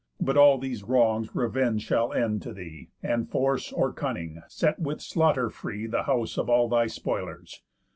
But all these wrongs revenge shall end to thee, And force, or cunning, set with slaughter free The house of all thy spoilers.